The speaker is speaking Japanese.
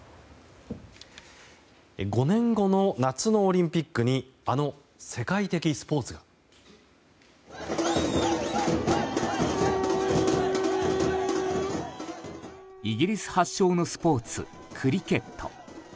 ５年後の夏のオリンピックにあの世界的スポーツ。イギリス発祥のスポーツクリケット。